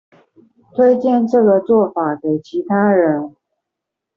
推薦這個做法給其他人